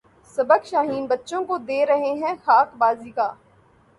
سبق شاہیں بچوں کو دے رہے ہیں خاک بازی کا